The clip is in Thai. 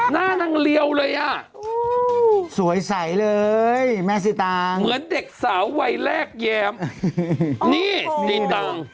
หน้านางเรียวเลยอ่ะสวยใสเลยแม่สิตางเหมือนเด็กสาววัยแรกแย้มนี่ดินดัง